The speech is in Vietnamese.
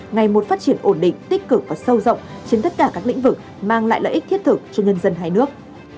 ngày một phát triển ổn định tích cực và sâu rộng trên tất cả các lĩnh vực mang lại lợi ích thiết thực cho nhân dân hai nước